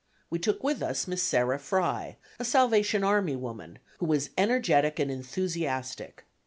We took with us Miss Sarah Fry, a Salvation Army woman, who was energetic and enthusiastic.